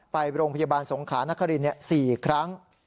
ไปโรงพยาบาลสงขานคริน๔ครั้ง